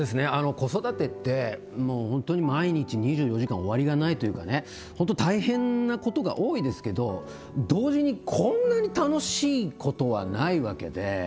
子育てってもう本当に毎日２４時間終わりがないというかね本当大変なことが多いですけど同時にこんなに楽しいことはないわけで。